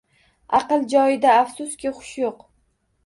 Aql joyida afsuski, xush yo‘q